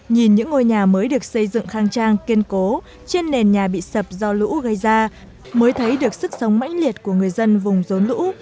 nhìn những ngôi nhà mới được xây dựng khang trang kiên cố trên nền nhà bị sập do lũ gây ra mới thấy được sức sống mãnh liệt của người dân vùng rốn lũ